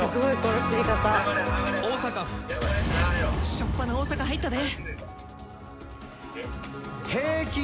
「初っぱな大阪入ったで」。